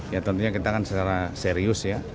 ya tentunya kita kan secara serius ya